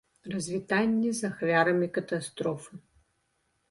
Развітанне з ахвярамі катастрофы.